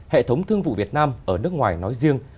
hệ thống thương vụ việt nam ở nước ngoài nói riêng